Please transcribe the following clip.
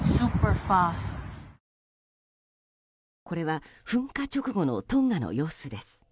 これは噴火直後のトンガの様子です。